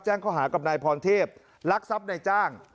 ข้อหากับนายพรเทพลักทรัพย์ในจ้าง